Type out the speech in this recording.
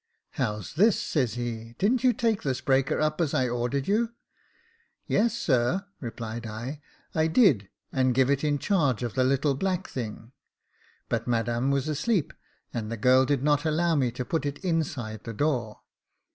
♦*' How's this ?' says he j * didn't you take this breaker up as I ordered you ?'"* Yes, sir,' replied I, * I did, and gave it in charge to the little black thing ; but madam was asleep, and the girl did not allow me to put it inside the door.'